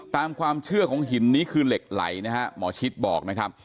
ตามความเชื่อของหินนี้คือเหล็กไหลนะฮะหมอชิดบอกนะครับ